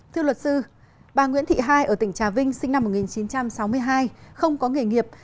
thưa luật sư bà nguyễn thị hai ở tỉnh trà vinh sinh năm một nghìn chín trăm sáu mươi hai không có nghề nghiệp